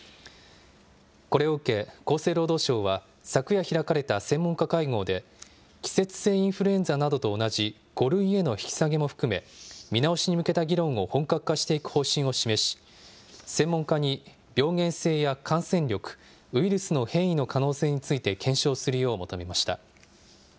これを受け、厚生労働省は、昨夜開かれた専門家会合で、季節性インフルエンザなどと同じ５類への引き下げも含め、見直しに向けた議論を本格化していく方針を示し、専門家に病原性や感染力、ウイルスの変異の可能性について検証するよう求めました。